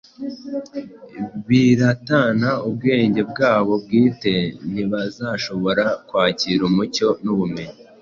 biratana ubwenge bwabo bwite, ntibazashobora kwakira umucyo n’ubumenyi